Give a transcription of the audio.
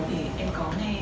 thì em có nghe